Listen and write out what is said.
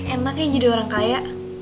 enaknya jadi orang kaya